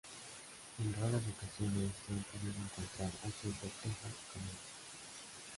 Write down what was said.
En raras ocasiones, se han podido encontrar al sur de Texas y Colombia.